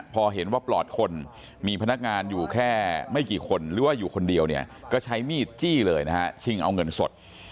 พอเห็นว่าปลอดคนมีพนักงานอยู่แค่ไม่กี่คนหรือว่าอยู่คนเดียวเนี่ยก็ใช้มีดจี้เลยนะฮะชิงเอาเงินสด